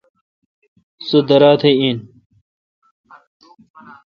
سو درا تہ اہن۔